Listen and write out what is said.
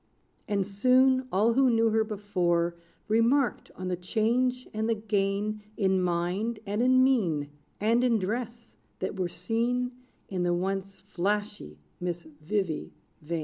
And soon, all who knew her before Remarked on the change and the gain In mind, and in mien, And in dress, that were seen In the once flashy Miss Vivy Vain.